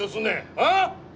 ああ！？